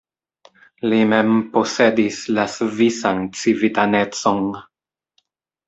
Li mem posedis la svisan civitanecon.